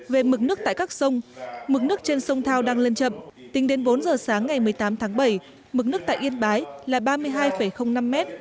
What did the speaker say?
về mực nước tại các sông mực nước trên sông thao đang lên chậm tính đến bốn giờ sáng ngày một mươi tám tháng bảy mực nước tại yên bái là ba mươi hai năm m